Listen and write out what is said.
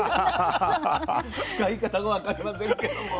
使い方が分かりませんけども。